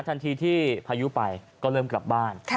ทันทีที่พายุไปก็เริ่มกลับบ้าน